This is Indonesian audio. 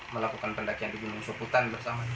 melakukan pendakian di gunung soputan bersama